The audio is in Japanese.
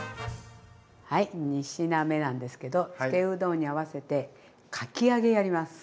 はい２品目なんですけどつけうどんに合わせてかき揚げやります。